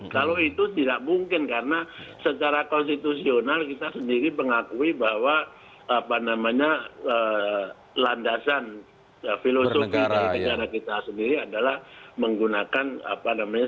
kalau itu tidak mungkin karena secara konstitusional kita sendiri mengakui bahwa apa namanya landasan filosofi dari negara kita sendiri adalah menggunakan apa namanya